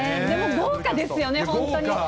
でも豪華ですよね、本当に。